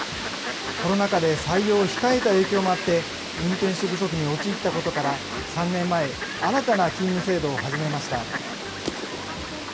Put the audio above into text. コロナ禍で採用を控えた影響もあって、運転手不足に陥ったことから、３年前、新たな勤務制度を始めました。